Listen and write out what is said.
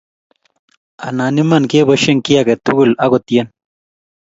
anan Iman keboishen kiiy age tugul ago tyen